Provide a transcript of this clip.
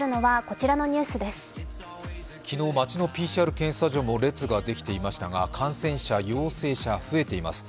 昨日、街のＰＣＲ検査場も列ができていましたが、感染者、陽性者増えています。